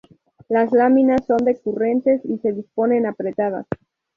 Las láminas son decurrentes y se disponen apretadas.